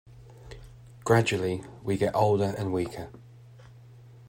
Gradually we get older and weaker.